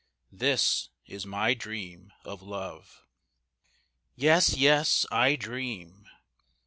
This is my dream of Love. Yes, yes, I dream.